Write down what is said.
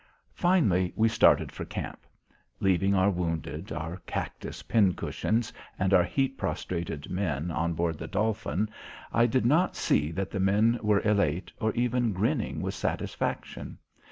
Finally we started for camp. Leaving our wounded, our cactus pincushions, and our heat prostrated men on board the Dolphin. I did not see that the men were elate or even grinning with satisfaction.